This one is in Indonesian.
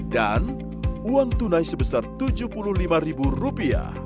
dan uang tunai sebesar rp tujuh puluh lima